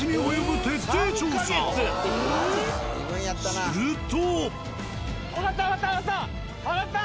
すると。